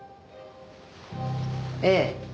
ええ。